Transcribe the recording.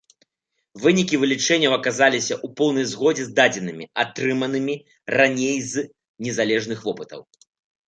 Вынікі вылічэнняў аказаліся ў поўнай згодзе з дадзенымі, атрыманымі раней з незалежных вопытаў.